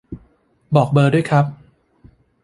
บอกเบอร์ด้วยครับ